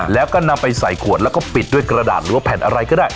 แล้วก็นำไปใส่ขวดแล้วก็ปิดด้วยกระดาษหรือว่าแผ่นอะไรก็ได้